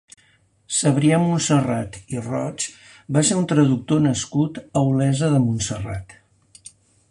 Cebrià Montserrat i Roig va ser un traductor nascut a Olesa de Montserrat.